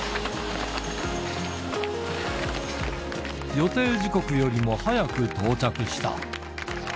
予定時刻よりも早く到着した。